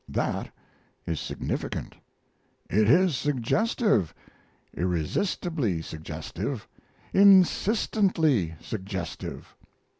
That is significant. It is suggestive irresistibly suggestive insistently suggestive.